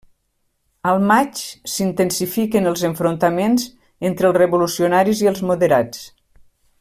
Al maig, s'intensifiquen els enfrontaments entre els revolucionaris i els moderats.